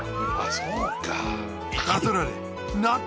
そうか。